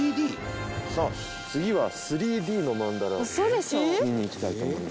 さあ次は３Ｄの曼荼羅を見に行きたいと思います。